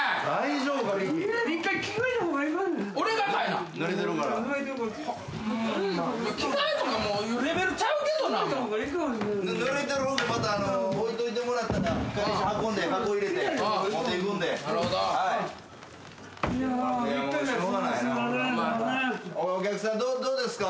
大丈夫ですか。